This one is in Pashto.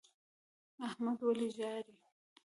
احمد ولي ژاړي؟